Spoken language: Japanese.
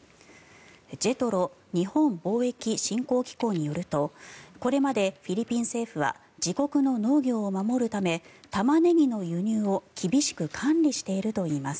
ＪＥＴＲＯ・日本貿易振興機構によるとこれまでフィリピン政府は自国の農業を守るためタマネギの輸入を厳しく管理しているといいます。